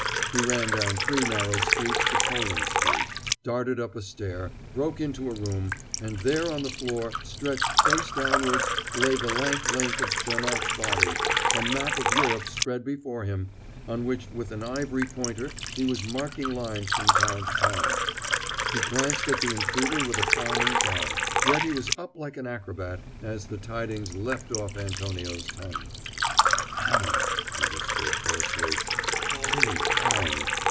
He ran down three narrow streets to Poland Street, darted up a stair, broke into a room; and there on the floor, stretched face downwards, lay the lank length of Janoc's body, a map of Europe spread before him, on which with an ivory pointer he was marking lines from town to town. He glanced at the intruder with a frowning brow, yet he was up like an acrobat, as the tidings leapt off Antonio's tongue. "Found!" he whispered hoarsely, "Pauline found!"